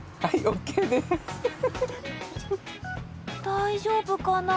大丈夫かな？